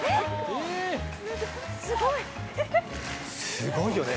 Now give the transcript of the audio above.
すごいよね。